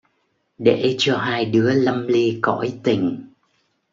Để cho hai đứa lâm li cõi tình!